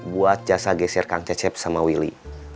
buat jasa geser kang cecep sama willy